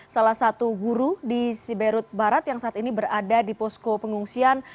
salah satu guru di siberut barat yang saat ini berada di posko pengungsian